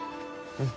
うん。